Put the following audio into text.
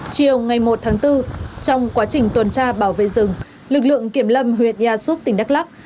chiều ngày một tháng bốn trong quá trình tuần tra bảo vệ rừng lực lượng kiểm lâm huyện erup tỉnh đắk lắc